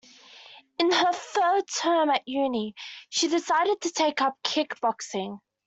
In her third term at uni she decided to take up kickboxing